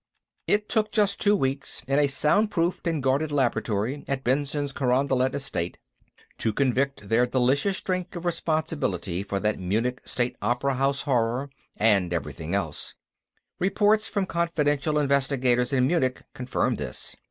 It took just two weeks, in a soundproofed and guarded laboratory on Benson's Carondelet estate, to convict their delicious drink of responsibility for that Munich State Opera House Horror and everything else. Reports from confidential investigators in Munich confirmed this.